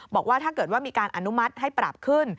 บอกว่าถ้าเกิดว่ามีการอนุมัติให้ปรับขึ้น